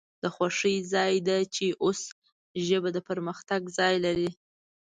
د خوښۍ ځای د چې اوس ژبه د پرمختګ ځای لري